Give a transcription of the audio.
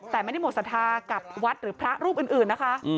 แต่ไม่ได้หมดศรัทธากับวัดหรือพระรูปอื่นนะคะ